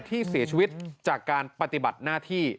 ที่เสียชีวิตจากการปฏิบัติหน้าที่